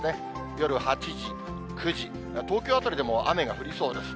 夜８時、９時、東京辺りでも雨が降りそうです。